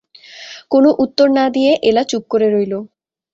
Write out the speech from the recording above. কোনো উত্তর না দিয়ে এলা চুপ করে রইল।